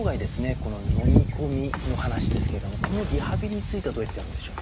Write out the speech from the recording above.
この飲み込みの話ですけれどもこのリハビリについてはどうやってやるんでしょう？